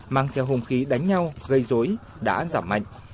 mang theo hùng khí đánh nhau gây dối đã giảm mạnh